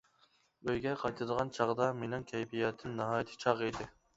ئۆيگە قايتىدىغان چاغدا مېنىڭ كەيپىياتىم ناھايىتى چاغ ئىدى.